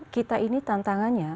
kita ini tantangannya